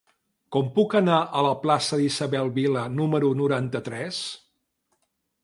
Com puc anar a la plaça d'Isabel Vila número noranta-tres?